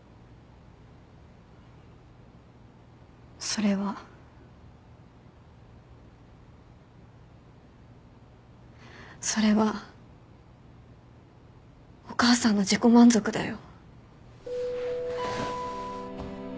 それは。それはお母さんの自己満足だよ。